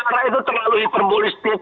bicara itu terlalu hiperbolistik